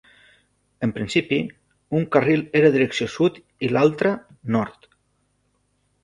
En un principi, un carril era direcció sud i l'altre, nord.